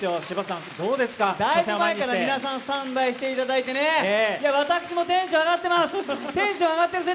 だいぶ前からスタンバイしていただいて私もテンションが上がっています。